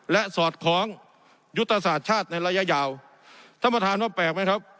และสอดคล้องยุทธศาสตร์ชาติในระยะยาวท่านประธานว่าแปลกไหมครับ